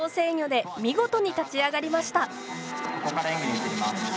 ここから演技に移ります。